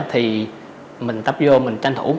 thì mình tập vô mình tranh thủ